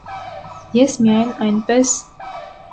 ես միայն այնպես…